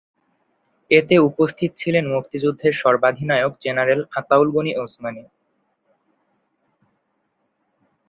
এতে উপস্থিত ছিলেন মুক্তিযুদ্ধের সর্বাধিনায়ক জেনারেল আতাউল গণি ওসমানী।